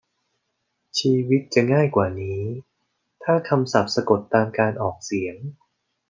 ชีวิตจะง่ายกว่านี้ถ้าคำศัพท์สะกดตามการออกเสียง